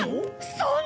そんな。